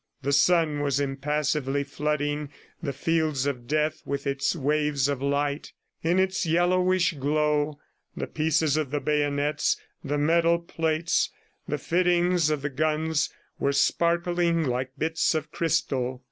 The sun was impassively flooding the fields of death with its waves of light. In its yellowish glow, the pieces of the bayonets, the metal plates, the fittings of the guns were sparkling like bits of crystal.